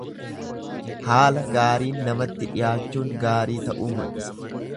Haala gaariin namatti dhiyaachuun gaarii ta'uu mul'isa.